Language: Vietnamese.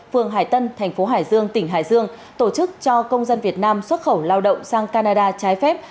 phường hải tân thành phố hải dương tỉnh hải dương tổ chức cho công dân việt nam xuất khẩu lao động sang canada trái phép